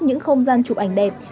những không gian chụp ảnh đẹp